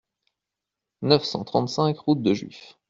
neuf cent trente-cinq route de Juif